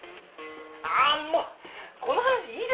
あもうこの話いいですよ。